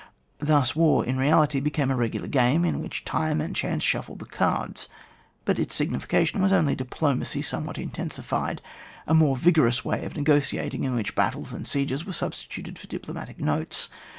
Thus war, in reality, became a regular game, in which Time and Ohance shuffled the cards ; but in its significa tion it was only diplomacy somewhat in tensified, a more vigorous way of negoti ating, in which battles and sieges were substituted for diplomatic notes.